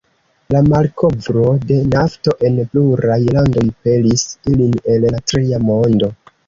La malkovro de nafto en pluraj landoj pelis ilin el la Tria Mondo.